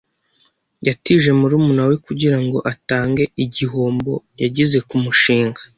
Yatije murumuna we kugirango atange igihombo yagize kumushinga.